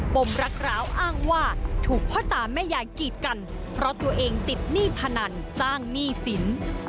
มรักร้าวอ้างว่าถูกพ่อตาแม่ยายกีดกันเพราะตัวเองติดหนี้พนันสร้างหนี้สิน